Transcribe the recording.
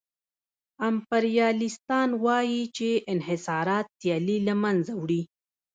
امپریالیستان وايي چې انحصارات سیالي له منځه وړي